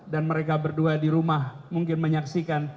dan mereka berdua di rumah mungkin menyaksikan